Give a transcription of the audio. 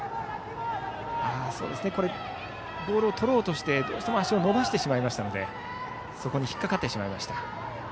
ボールをとろうとしてどうしても足を伸ばしてしまいましたのでそこに引っかかってしまいました。